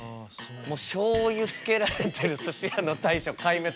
しょうゆつけられてるすし屋の大将壊滅です。